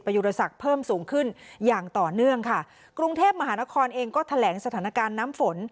ยุรศักดิ์เพิ่มสูงขึ้นอย่างต่อเนื่องค่ะกรุงเทพมหานครเองก็แถลงสถานการณ์น้ำฝน